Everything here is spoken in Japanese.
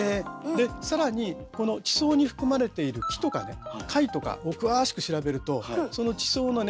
で更にこの地層に含まれている木とかね貝とかをくわしく調べるとその地層の年代がわかる。